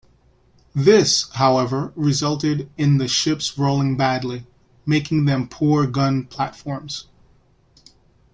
This, however, resulted in the ships rolling badly, making them poor gun platforms.